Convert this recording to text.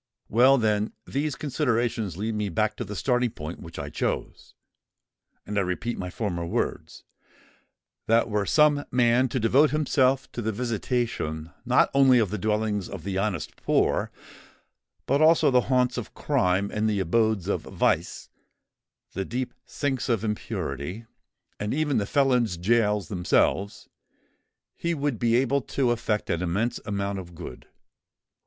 Well, then, these considerations lead me back to the starting point which I chose; and I repeat my former words,—that were some man to devote himself to the visitation not only of the dwellings of the honest poor, but also the haunts of crime, and the abodes of vice, the deep sinks of impurity, and even the felons' gaols themselves, he would be able to effect an immense amount of good.